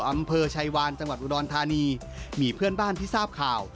มีเพื่อนบ้านที่ทราบข่าว